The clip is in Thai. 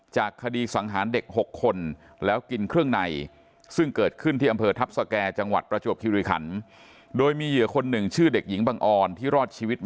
จากคดีสังหารเด็ก๖คนแล้วกินเครื่องใน